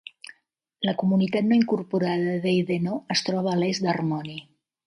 La comunitat no incorporada d'Eidenau es troba a l'est d'Harmony.